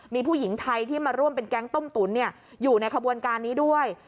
มีผู้หญิงไทยที่มาร่วมเป็นแก๊งต้มตุ๋นอยู่ในขบวนการนี้ด้วย